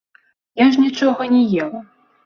Я ж нічога не ела.